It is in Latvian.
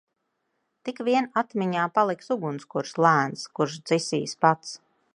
Tik vien atmiņā paliks ugunskurs lēns kurš dzisīs pats.